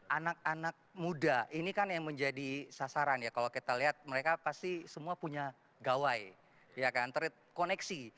anak anak muda ini kan yang menjadi sasaran ya kalau kita lihat mereka pasti semua punya gawai terkoneksi